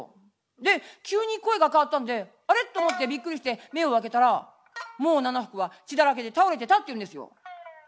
で急に声が変わったんであれ？っと思ってびっくりして目を開けたらもう奈々福は血だらけで倒れてたっていうんですよ」。